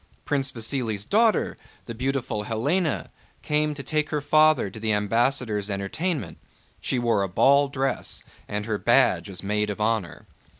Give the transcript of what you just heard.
Prince Vasíli's daughter, the beautiful Hélène, came to take her father to the ambassador's entertainment; she wore a ball dress and her badge as maid of honor.